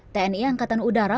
tni angkatan udara